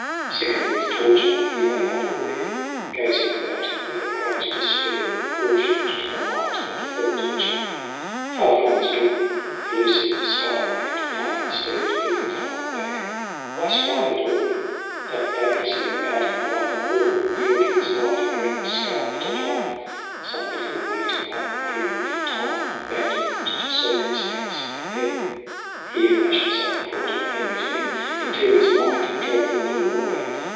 Sickened with torture he lay huddled there, Gazing about him with a great despair Proportioned to the might that felt the chain. Far flung as dawn, collusive sky and plain Stared bleak denial back. Why strive at all ? That vacancy about him like a wall, Yielding as light, a granite scarp to climb ! Some little waiting on the creep of time, Abandonment to circumstance; and then Here flashed a sudden thought of Henry's men Into his mind and drove the gloom away.